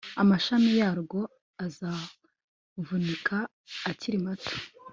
amashami yarwo azavunika akiri mato